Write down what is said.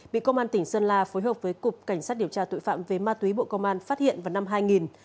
bị công an tỉnh sơn la phối hợp với cục cảnh sát điều tra tội phạm về ma túy bộ công an phát hiện vào năm hai nghìn